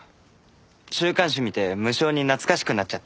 週刊誌見て無性に懐かしくなっちゃって。